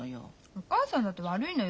お母さんだって悪いのよ。